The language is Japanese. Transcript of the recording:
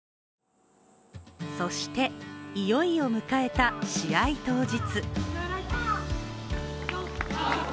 そして、いよいよ迎えた試合当日。